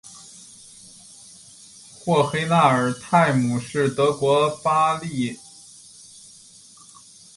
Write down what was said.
霍黑纳尔泰姆是德国巴伐利亚州的一个市镇。